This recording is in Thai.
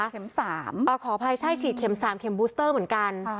เข็มสามเอาขอภัยใช่ฉีดเข็มสามเข็มบูสเตอร์เหมือนกัน